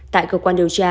tại cơ quan điều tra